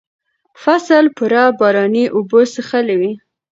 فصل پوره باراني اوبه څښلې وې.